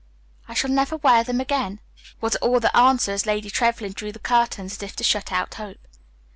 "I shall never wear them again" was all the answer as Lady Trevlyn drew the curtains, as if to shut out hope.